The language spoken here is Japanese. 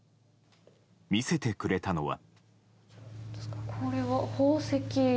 見せてくれたのは。